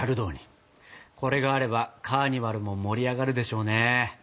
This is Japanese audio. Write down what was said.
これがあればカーニバルも盛り上がるでしょうね。